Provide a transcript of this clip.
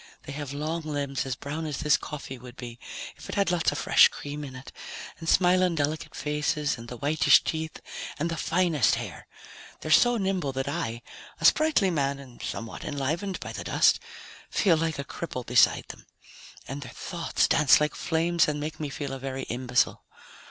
They have long limbs as brown as this coffee would be if it had lots of fresh cream in it, and smiling delicate faces and the whitish teeth and the finest hair. They're so nimble that I a sprightly man and somewhat enlivened by the dust feel like a cripple beside them. And their thoughts dance like flames and make me feel a very imbecile.